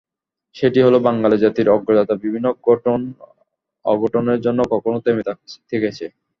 সেটি হলো বাঙালি জাতির অগ্রযাত্রা বিভিন্ন ঘটন-অঘটনের জন্য কখনো থেমে থেকেছে।